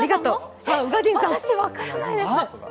私、分からないです。